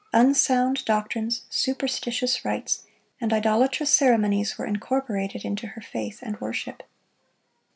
Unsound doctrines, superstitious rites, and idolatrous ceremonies were incorporated into her faith and worship.